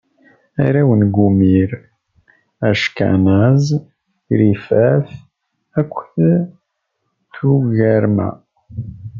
Arraw n Gumir: Ackanaz, Rifat akked Tugarma.